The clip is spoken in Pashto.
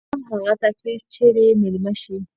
ستا به هم هغه تکليف چري ميلمه شي